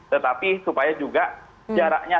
tetapi supaya juga jaraknya